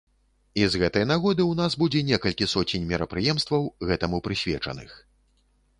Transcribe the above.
І з гэтай нагоды ў нас будзе некалькі соцень мерапрыемстваў, гэтаму прысвечаных.